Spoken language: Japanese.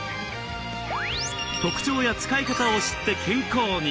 特徴や使い方を知って健康に。